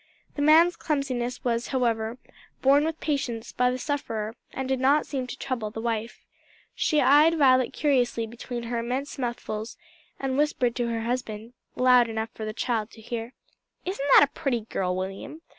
The man's clumsiness was, however, borne with patience by the sufferer, and did not seem to trouble the wife. She eyed Violet curiously between her immense mouthfuls, and whispered to her husband, loud enough for the child to hear, "Isn't that a pretty girl, William?